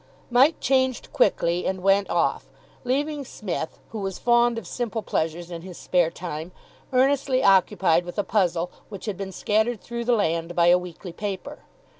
Mike changed quickly, and went off, leaving Psmith, who was fond of simple pleasures in his spare time, earnestly occupied with a puzzle which had been scattered through the land by a weekly paper.